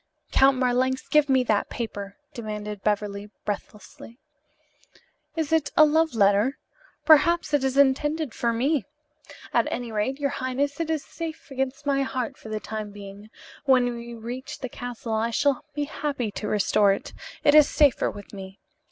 "Count Marlanx, give me that paper!" demanded Beverly breathlessly. "Is it a love letter? Perhaps it is intended for me. At any rate, your highness, it is safe against my heart for the time being. When we reach the castle I shall be happy to restore it. It is safer with me.